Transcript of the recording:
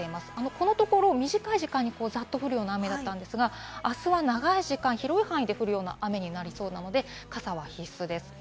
このところ、短い時間にざっと降るような雨だったんですが、あすは長い時間、広い範囲で降るような雨になりそうなので、傘は必須です。